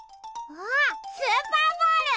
あっスーパーボール！